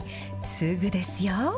すぐですよ。